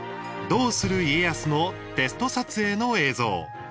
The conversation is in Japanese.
「どうする家康」のテスト撮影の映像。